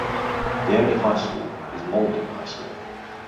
The only high school is Mauldin High School.